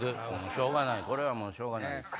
しょうがないこれはもうしょうがない。